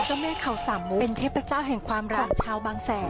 เจ้าแม่เขาสามมุกเป็นเทพเจ้าแห่งความรักชาวบางแสน